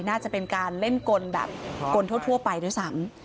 น่าจะเป็นการเล่นกลแบบกลทั่วไปด้วยซ้ำ